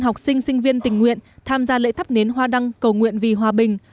học sinh sinh viên tình nguyện tham gia lễ thắp nến hoa đăng cầu nguyện vì hòa bình